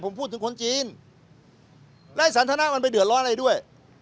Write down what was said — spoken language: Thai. ผมพูดถึงคนจีนและไอ้สันทนามันไปเดือดร้อนอะไรด้วย